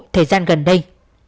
thời gian gần đây